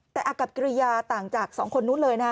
แต่อากับกิริยาต่างจากสองคนนู้นเลยนะฮะ